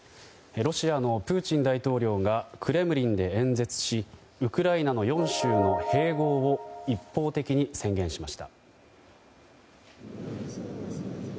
ロシアのプーチン大統領がクレムリンで演説しウクライナの４州の併合を一方的に宣言しました。